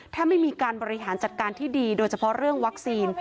ถ้าไม่มีการบริหารจัดการที่ดีโดยเฉพาะเรื่องวัคซีน